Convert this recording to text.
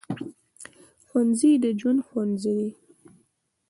ښوونځی د ژوند ښوونځی دی